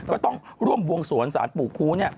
ก็ต้องร่วมบวงสวนสารปู่ครู